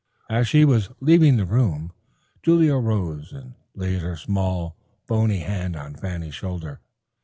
As she was leaving the room Julia arose and laid her small, bony hand on Fanny's shoulder.